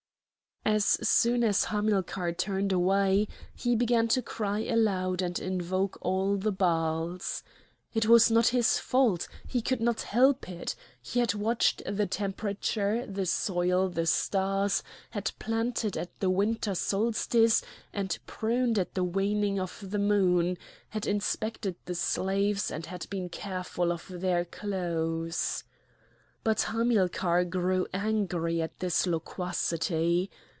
As soon as Hamilcar turned away he began to cry aloud and invoke all the Baals. It was not his fault! he could not help it! He had watched the temperature, the soil, the stars, had planted at the winter solstice and pruned at the waning of the moon, had inspected the slaves and had been careful of their clothes. But Hamilcar grew angry at this loquacity.